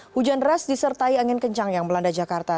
hujan deras disertai angin kencang yang melanda jakarta